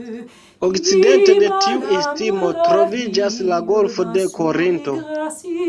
Okcidente de tiu istmo troviĝas la Golfo de Korinto.